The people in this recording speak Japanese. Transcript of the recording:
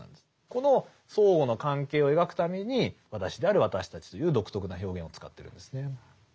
この相互の関係を描くために私である私たちという独特な表現を使ってるんですね。